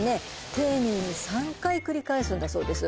丁寧に３回繰り返すんだそうです